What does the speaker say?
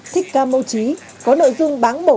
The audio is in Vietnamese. thích ca mâu trí có nội dung báng bổ